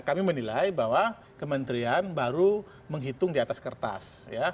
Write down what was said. kami menilai bahwa kementerian baru menghitung di atas kertas